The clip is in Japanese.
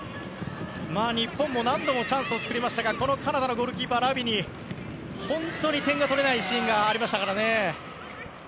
日本も何度もチャンスを作りましたがこのカナダのゴールキーパーラビに点が取れないシーンがありましたからね。